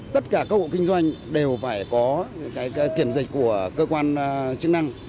tất cả các hộ kinh doanh đều phải có kiểm dịch của cơ quan chức năng